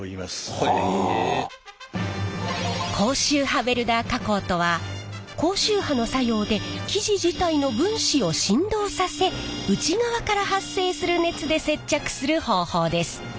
高周波ウェルダー加工とは高周波の作用で生地自体の分子を振動させ内側から発生する熱で接着する方法です。